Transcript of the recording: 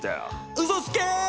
うそつけ！